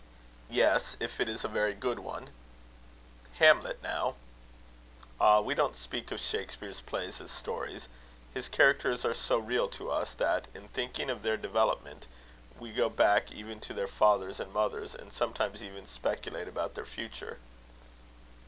"Yes, if it is a very good one." "Hamlet now?" "Ah! we don't speak of Shakspere's plays as stories. His characters are so real to us, that, in thinking of their development, we go back even to their fathers and mothers and sometimes even speculate about their future."